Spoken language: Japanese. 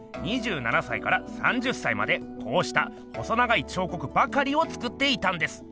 ２７歳から３０歳までこうした細長い彫刻ばかりを作っていたんです。